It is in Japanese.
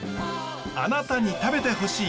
あなたに食べてほしい！